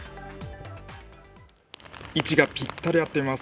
位置がぴったり合っています。